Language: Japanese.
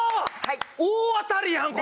大当たりやん